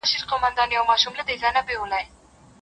مُلا وویله خدای مي نګهبان دی